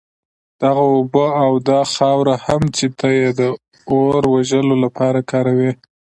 دغه اوبه او دا خاوره هم چي ته ئې د اور وژلو لپاره كاروې